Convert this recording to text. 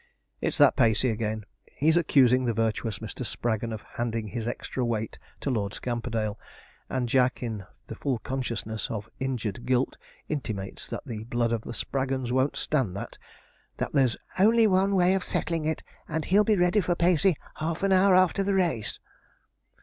It's that Pacey again; he's accusing the virtuous Mr. Spraggon of handing his extra weight to Lord Scamperdale; and Jack, in the full consciousness of injured guilt, intimates that the blood of the Spraggons won't stand that that there's 'only one way of settling it, and he'll be ready for Pacey half an hour after the race.'